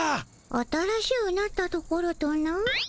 新しゅうなったところとな？